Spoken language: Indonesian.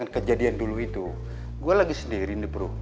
kejadian dulu itu gua lagi sendiri bro